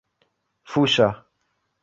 fuŝa